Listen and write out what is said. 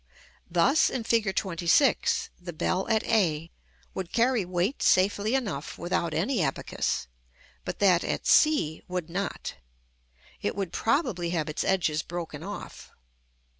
Thus in Fig. XXVI., the bell at a would carry weight safely enough without any abacus, but that at c would not: it would probably have its edges broken off.